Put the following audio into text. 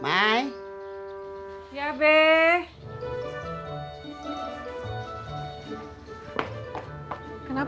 kami lagi bantuin si tati